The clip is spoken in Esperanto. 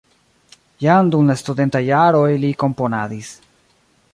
Jam dum la studentaj jaroj li komponadis.